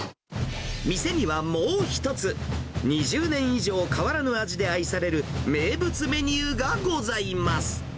店にはもう１つ、２０年以上変わらぬ味で愛される名物メニューがございます。